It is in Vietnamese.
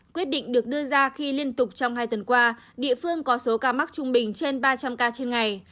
quyết định được đưa ra khi liên tục trong hai tuần qua địa phương có số ca mắc trung bình trên ba trăm linh ca trên ngày